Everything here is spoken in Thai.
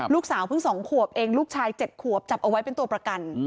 ลูกสาวเพิ่ง๒ขวบเองลูกชาย๗ขวบจับเอาไว้เป็นตัวประกัน